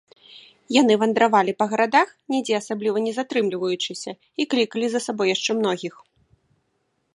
Яны вандравалі па гарадах, нідзе асабліва не затрымліваючыся, і клікалі за сабой яшчэ многіх.